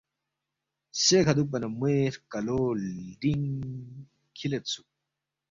سے کھہ دُوکپا نہ موے ہرکلو لڈِنگ کِھلیدسُوک